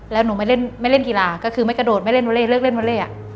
แล้วหนูไม่เล่นไม่เล่นกีฬาก็คือไม่กระโดดไม่เล่นวอเล่เลิกเล่นวาเล่